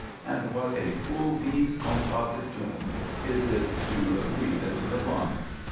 And what a pulvis compositum is it to breathe into the lungs!